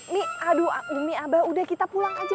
mi aduh ummi abah udah kita pulang aja